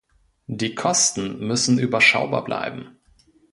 Die Kosten müssen überschaubar bleiben.